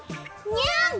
ニャン！